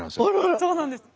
そうなんです。